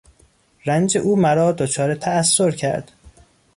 رنج او مرا دچار تاثر کرد.